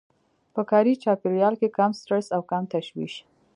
په کاري چاپېريال کې کم سټرس او کم تشويش.